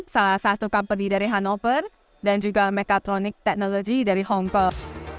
salah satu company dari hannover dan juga mekatronic technology dari hongkong